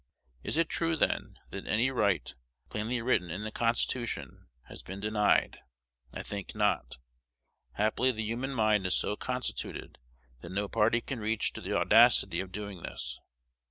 Is it true, then, that any right, plainly written in the Constitution, has been denied? I think not. Happily the human mind is so constituted, that no party can reach to the audacity of doing this.